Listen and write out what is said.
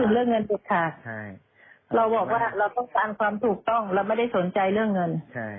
เราบอกว่าเราต้องการความถูกต้องเราไม่ได้สนใจเรื่องเงิน